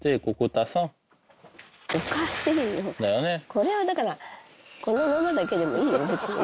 これはだからこの部分だけでもいいよ別に。